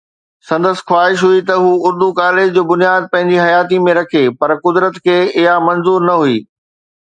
سندس خواهش هئي ته هو اردو ڪاليج جو بنياد پنهنجي حياتيءَ ۾ رکي، پر قدرت کي اها منظور نه هئي